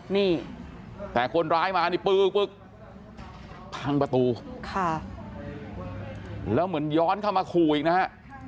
นี่แต่คนร้ายมานี่ปึ๊กพังประตูค่ะแล้วเหมือนย้อนเข้ามาขู่อีกนะฮะ